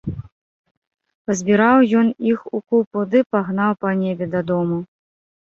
Пазбіраў ён іх у купу ды пагнаў па небе дадому.